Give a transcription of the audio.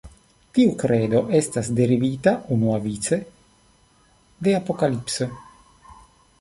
Tiu kredo estas derivita unuavice de Apokalipso.